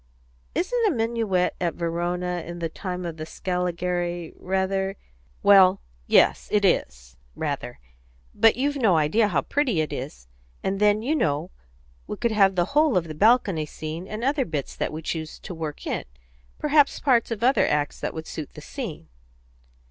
Isn't a minuet at Verona in the time of the Scaligeri rather " "Well, yes, it is, rather. But you've no idea how pretty it is. And then, you know, we could have the whole of the balcony scene, and other bits that we choose to work in perhaps parts of other acts that would suit the scene."